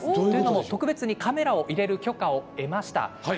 というのも特別にカメラを入れる許可を得ました。